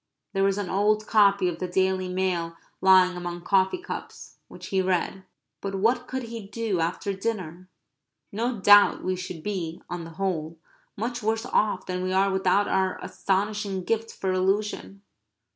There was an old copy of the Daily Mail lying among coffee cups; which he read. But what could he do after dinner? No doubt we should be, on the whole, much worse off than we are without our astonishing gift for illusion.